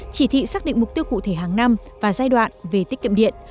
chỉ thị xác định mục tiêu cụ thể hàng năm và giai đoạn về tích kiệm điện